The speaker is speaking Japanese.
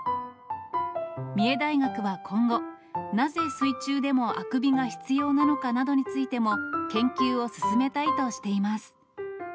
三重大学は今後、なぜ水中でもあくびが必要なのかなどについても、研究を進めたいとしています。